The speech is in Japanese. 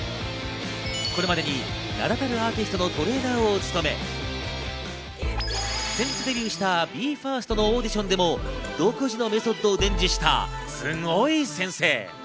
これまでに名だたるアーティストのトレーナーを務め、先日デビューしたＢＥ：ＦＩＲＳＴのオーディションでも独自のメソッドを伝授したすごい先生。